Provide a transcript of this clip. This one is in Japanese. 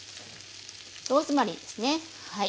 ローズマリーですねはい。